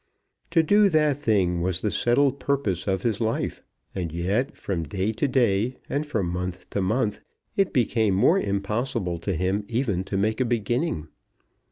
To do that thing was the settled purpose of his life, and yet, from day to day and from month to month, it became more impossible to him even to make a beginning.